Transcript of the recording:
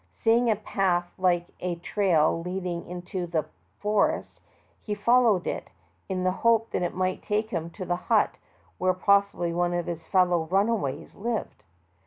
Seeing a path like a a trail leading into the forest, he followed it, in the hope that it might take him to the hut where possibly one of his fellow runaways lived.